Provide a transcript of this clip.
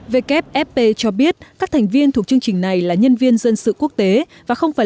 wfp cho biết các thành viên thuộc chương trình này là nhân viên dân sự quốc tế và không phải